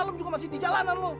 malem juga masih di jalanan lo